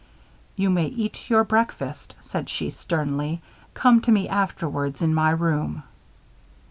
"You may eat your breakfast," said she, sternly. "Come to me afterwards in my room."